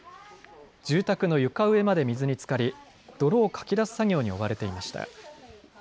住宅の床上まで水につかり、泥をかき出す作業に追われていました。